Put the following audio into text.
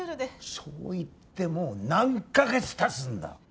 そう言ってもう何か月たつんだ！